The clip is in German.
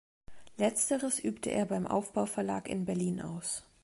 Letzteres übte er beim Aufbau-Verlag in Berlin aus.